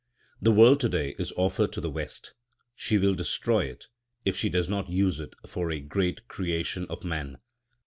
The world to day is offered to the West. She will destroy it, if she does not use it for a great creation of man.